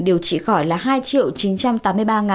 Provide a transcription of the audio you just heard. điều trị khỏi là hai chín trăm tám mươi ba hai trăm hai mươi hai ca